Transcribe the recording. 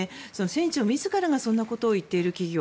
船長自らがそんなことを言っている企業。